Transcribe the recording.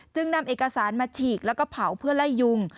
นำเอกสารมาฉีกแล้วก็เผาเพื่อไล่ยุง